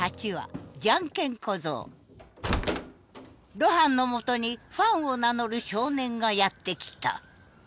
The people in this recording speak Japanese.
露伴のもとにファンを名乗る少年がやって来た。